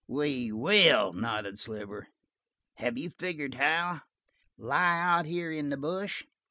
"We will," nodded Sliver. "Have you figured how?" "Lie out here in the bush.